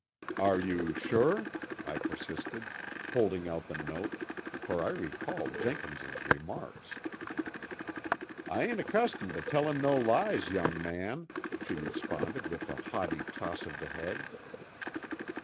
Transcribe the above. "Are you sure?" I persisted, holding out the note; for I recalled Jenkins' remarks. "Ah ain't 'customed to tellin' no lies, young man," she responded with a haughty toss of the head.